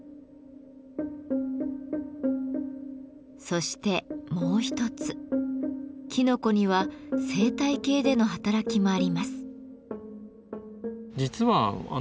そしてもう一つきのこには生態系での働きもあります。